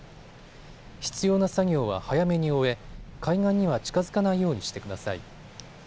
必要な作業は早めに終え、海岸には近づかないようにしてください。